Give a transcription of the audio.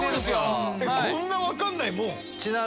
こんな分かんないもん？